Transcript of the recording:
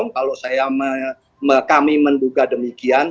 kalau kami menduga demikian